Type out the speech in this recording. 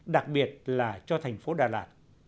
đặc biệt là cho thành phố đà lạt